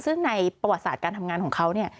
ซึ่งในประวัติศาสตร์การทำงานของเขาเนี่ย